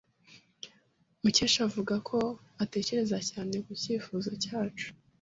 Mukesha avuga ko atekereza cyane ku cyifuzo cyacu.